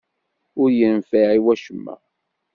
Ur yenfiɛ i wacemma.